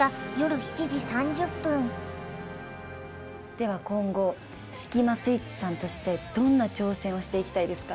では今後スキマスイッチさんとしてどんな挑戦をしていきたいですか？